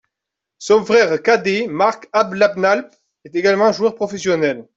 Son frère cadet, Marc Abplanalp, est également joueur professionnel.